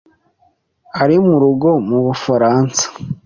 Ari murugo mu Bufaransa.